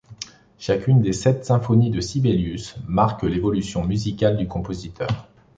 Chacune des sept symphonies de Sibelius, marque l'évolution musicale du compositeur.